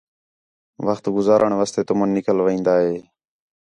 وخت گُزارݨ واسطے تُمن نِکل وین٘دا ہِے